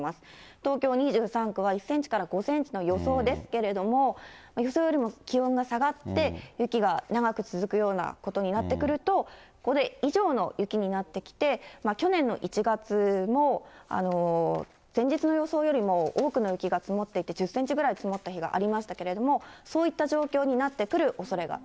東京２３区は１センチから５センチの予想ですけれども、予想よりも気温が下がって、雪が長く続くようなことになってくると、これ以上の雪になってきて、去年の１月も、前日の予想よりも多くの雪が積もっていて、１０センチぐらい積もった日がありましたけれども、そういった状況になってくるおそれ